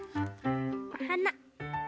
おはな。